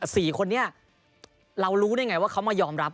สี่คนนี้เรารู้ได้ไงว่าเขามายอมรับ